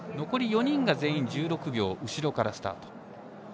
残り４人が全員１６秒後ろからスタート。